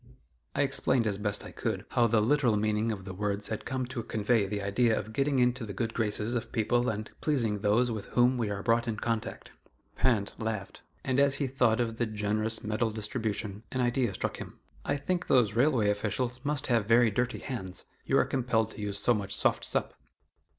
'" I explained, as best I could, how the literal meaning of the words had come to convey the idea of getting into the good graces of people and pleasing those with whom we are brought in contact. Pinte laughed, and as he thought of the generous medal distribution, an idea struck him: "I think those railway officials must have very dirty hands you are compelled to use so much 'soft sup.